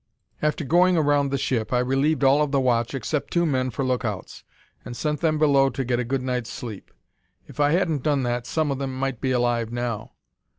"After going around the ship, I relieved all of the watch except two men for lookouts, and sent them below to get a good night's sleep. If I hadn't done that, some of them might be alive now.